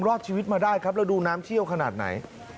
รอดชีวิตมาได้ครับแล้วดูน้ำเชี่ยวขนาดไหน